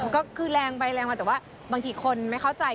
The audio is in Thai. ก็คือแรงไปแรงมาแต่ว่าบางทีคนไม่เข้าใจ